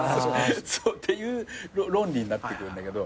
っていう論理になってくるんだけど。